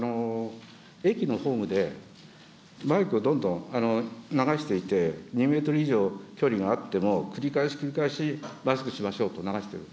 駅のホームで、マイクをどんどん流していて、２メートル以上距離があっても、繰り返し繰り返しマスクしましょうと流してる。